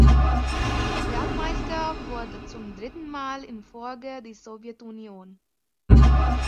Weltmeister wurde zum dritten Mal in Folge die Sowjetunion.